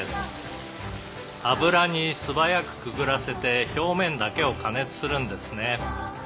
「油に素早くくぐらせて表面だけを加熱するんですね」